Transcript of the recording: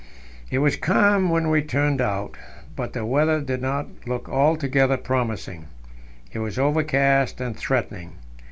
It was calm when we turned out, but the weather did not look altogether promising; it was overcast and threatening.